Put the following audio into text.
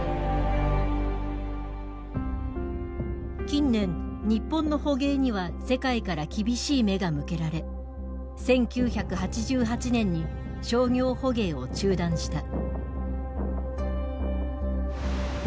近年日本の捕鯨には世界から厳しい目が向けられ１９８８年に商業捕鯨を中断した。